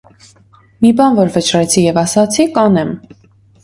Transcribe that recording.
Մի բան որ վճռեցի և ասացի - կանեմ: